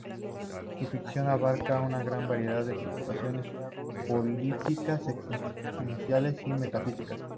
Su ficción abarca una gran variedad de preocupaciones políticas, existenciales y metafísicas.